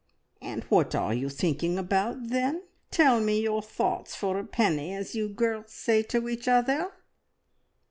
"And what are you thinking about then? Tell me your thoughts for a penny, as you girls say to each other!"